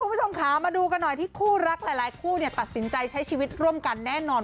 คุณผู้ชมค่ะมาดูกันหน่อยที่คู่รักหลายคู่ตัดสินใจใช้ชีวิตร่วมกันแน่นอน